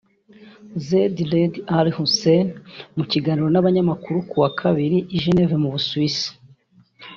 Zeid Raad al-Hussein mu kiganiro n’abanyamakuru ku wa kabiri i Genève mu Busuwisi